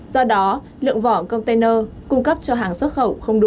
do đó lượng vỏ container cung cấp cho hàng xuất khẩu không đủ